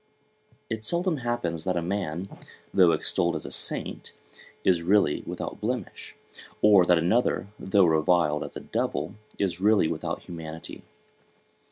It seldom happens that a man, though extolled as a saint, is really without blemish; or that another, though reviled as a devil, is really without humanity.